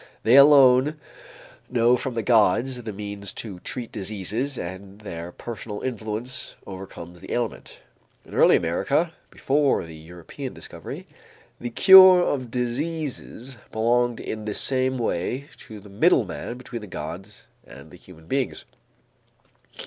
They alone know from the gods the means to treat diseases and their personal influence overcomes the ailment. In early America, before the European discovery, the cure of disease belonged in the same way to the middleman between the gods and human beings.